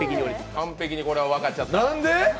完璧にこれは分かっちゃった。